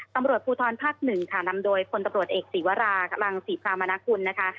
ตำรวจภูทรภาคหนึ่งค่ะนำโดยคนตำรวจเอกศีวรารังศรีพรามณกุลนะคะ